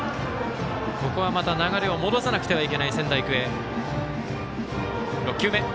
ここは、また流れを戻さなくてはいけない、仙台育英。